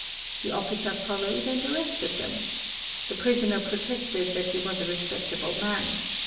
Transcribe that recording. The officer followed and arrested them. TI 7 prisoner protested that he was a respectable man.